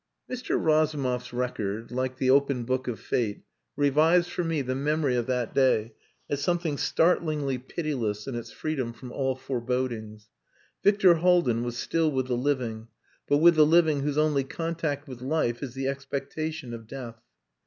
Mr. Razumov's record, like the open book of fate, revives for me the memory of that day as something startlingly pitiless in its freedom from all forebodings. Victor Haldin was still with the living, but with the living whose only contact with life is the expectation of death.